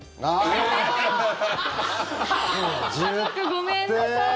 家族ごめんなさい。